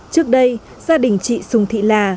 trước đây gia đình chị sùng thị là